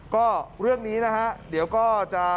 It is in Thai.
ก็เรื่องนี้นะฮะเดี๋ยวก็จะ